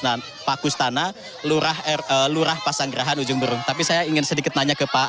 dan pakustana lurah lurah pasanggerahan ujung berung tapi saya ingin sedikit nanya ke pak